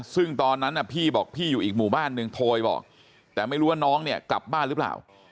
ซึ่งตอนนั้นพี่บอกพี่อยู่อีกหมู่บ้านนึงโทรไปบอกแต่ไม่รู้ว่าน้องเนี่ยกลับบ้านหรือเปล่า